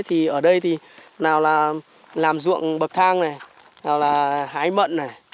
thì ở đây thì nào là làm ruộng bậc thang này nào là hái mận này